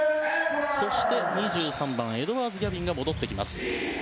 そして、２３番エドワーズ・ギャビンが戻ってきました。